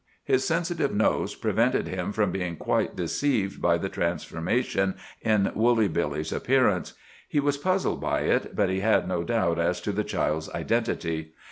His sensitive nose prevented him from being quite deceived by the transformation in Woolly Billy's appearance. He was puzzled by it, but he had no doubt as to the child's identity.